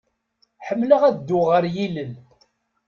Ḥemmleɣ ad dduɣ ɣer yilel.